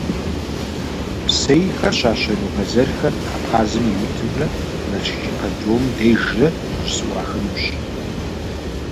Псейхэр щащэну бэзэрхэр Абхъазым и утымрэ Налшык ипподромым дежрэ къыщызэӀуахынущ.